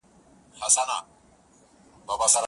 مینه وړي یوه مقام لره هر دواړه،